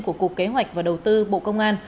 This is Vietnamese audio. của cục kế hoạch và đầu tư bộ công an